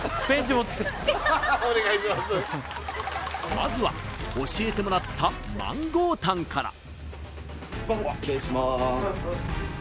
まずは教えてもらったマンゴータンから失礼します